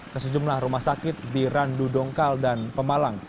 kesujumlah rumah sakit di randu dongkal dan pemalang